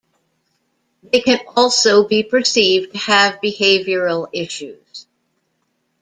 They can also be perceived to have behavioral issues.